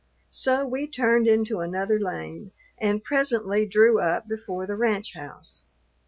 So we turned into another lane, and presently drew up before the ranch house.